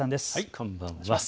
こんばんは。